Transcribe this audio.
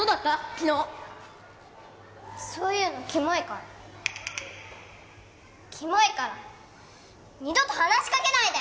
昨日そういうのキモいからキモいから二度と話しかけないで！